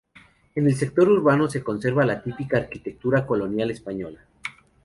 En el sector urbano se conserva la típica Arquitectura colonial española.